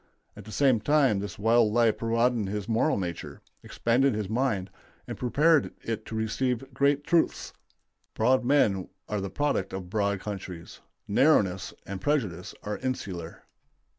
At the same time this wild life broadened his moral nature, expanded his mind, and prepared it to receive great truths. Broad men are the product of broad countries; narrowness and prejudice are insular.